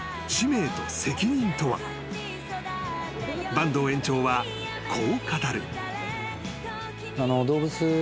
［坂東園長はこう語る］